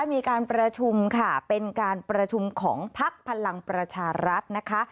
มีการประชุมค่ะเป็นการประชุมของพักพลังประชารัฐนะคะ